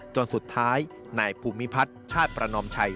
จนสุดท้ายนายภูมิพัฒน์ชาติประนอมชัย